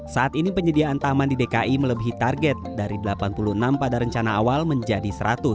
saat ini penyediaan taman di dki melebihi target dari delapan puluh enam pada rencana awal menjadi seratus